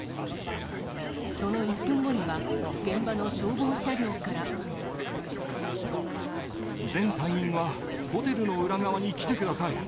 その１分後には、現場の消防全隊員はホテルの裏側に来てください。